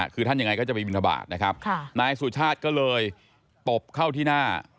คือท่านยังไงก็จะไปบินทบาทนะครับนายสุชาติก็เลยตบเข้าที่หน้า